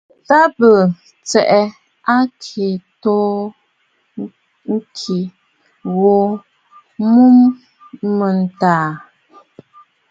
Ta bɨ Tsə̀ à kɨ toò ŋ̀kɨ̀ɨ̀ ghu nu mə tâ təə tsiʼì la nzì.